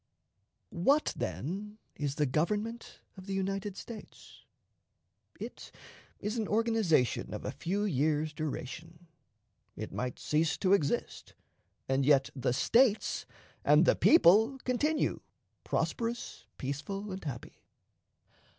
What, then, is the Government of the United States? It is an organization of a few years' duration. It might cease to exist, and yet the States and the people continue prosperous, peaceful, and happy.